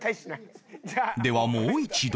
ではもう一度